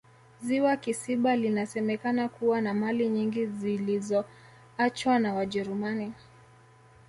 ziwa kisiba linasemekana kuwa na mali nyingi zilizoachwa na wajerumani